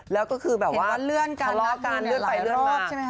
แล้วก็คือแบบว่าคลอดการเลื่อนไปเลื่อนมา